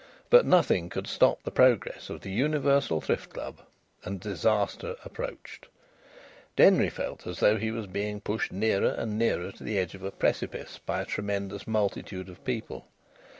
But nothing could stop the progress of the Universal Thrift Club. And disaster approached. Denry felt as though he were being pushed nearer and nearer to the edge of a precipice by a tremendous multitude of people.